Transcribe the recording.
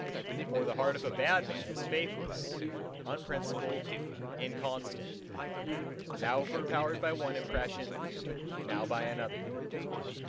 For the heart of a bad man is faithless, unprincipled, inconstant: now overpowered by one impression, now by another.